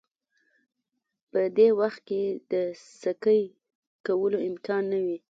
په دې وخت کې د سکی کولو امکان نه وي